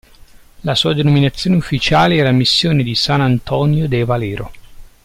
La sua denominazione ufficiale era Missione di San Antonio de Valero.